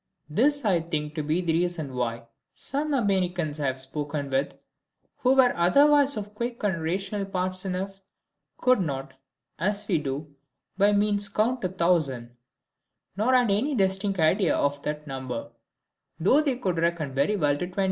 This I think to be the reason why some Americans I have spoken with, (who were otherwise of quick and rational parts enough,) could not, as we do, by any means count to 1000; nor had any distinct idea of that number, though they could reckon very well to 20.